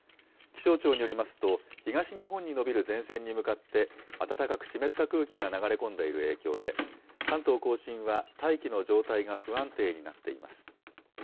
気象庁によりますと、東日本に延びる前線に向かって、暖かく湿った空気が流れ込んでいる影響で、関東甲信は大気の状態が不安定になっています。